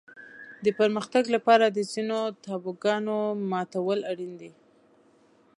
د پرمختګ لپاره د ځینو تابوګانو ماتول اړین دي.